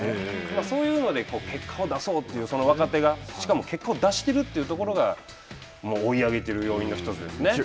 そういうので結果を出そうという若手がしかも、結果を出してるというところが追い上げている要因の１つですね。